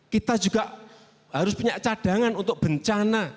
kita juga harus punya cadangan untuk bencana